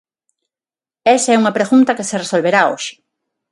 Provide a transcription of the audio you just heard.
Esa é unha pregunta que se resolverá hoxe.